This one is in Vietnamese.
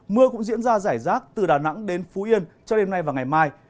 mưa cũng diễn ra rải rác từ đà nẵng đến phú yên cho đêm nay và ngày mai